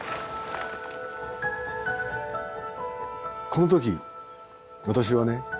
この時私はね